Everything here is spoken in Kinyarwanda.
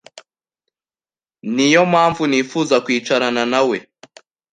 Ni yo mpamvu nifuza kwicarana nawe